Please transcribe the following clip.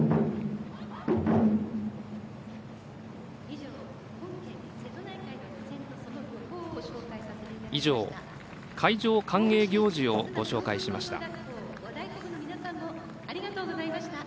以上、海上歓迎行事をご紹介しました。